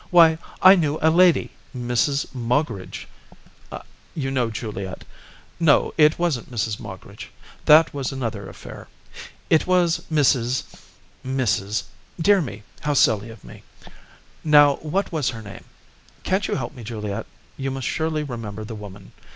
Why, I knew a lady Mrs. Moggridge, you know, Juliet no, it wasn't Mrs. Moggridge, that was another affair, it was Mrs. Mrs. dear me, how silly of me! now, what was her name? Can't you help me, Juliet? You must surely remember the woman.